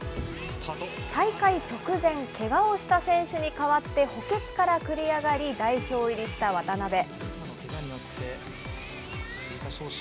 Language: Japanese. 大会直前、けがをした選手に代わって補欠から繰り上がり、代表入りした渡部。